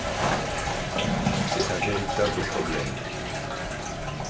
C’est un véritable problème.